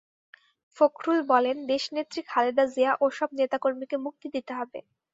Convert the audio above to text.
ফখরুল বলেন, দেশনেত্রী খালেদা জিয়া ও সব নেতাকর্মীকে মুক্তি দিতে হবে।